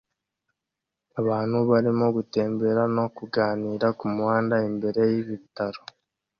Abantu barimo gutembera no kuganira kumuhanda imbere yibitaro